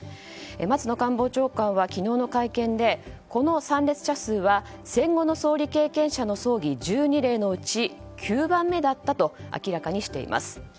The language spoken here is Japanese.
松野官房長官は昨日の会見でこの参列者数は戦後の総理経験者の葬儀１２例のうち９番目だったと明らかにしています。